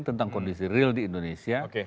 tentang kondisi real di indonesia